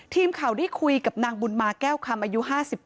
ทีมข่าวได้คุยกับนางบุญมาแก้วคำอายุ๕๗